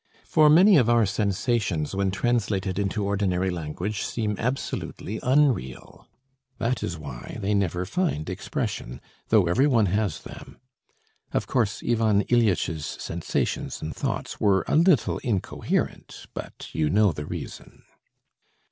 For many of our sensations when translated into ordinary language seem absolutely unreal. That is why they never find expression, though every one has them. Of course Ivan Ilyitch's sensations and thoughts were a little incoherent. But you know the reason.